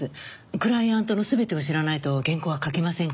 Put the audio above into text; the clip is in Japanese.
クライアントの全てを知らないと原稿は書けませんから。